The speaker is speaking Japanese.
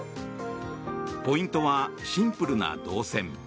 ポイントはシンプルな動線。